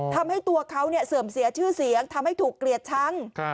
ทำให้ตัวเขาเสื่อมเสียชื่อเสียงทำให้ถูกเกลียดชัง